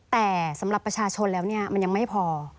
แต่สำหรับประชาชนแล้วเนี่ยมันยังไม่พอ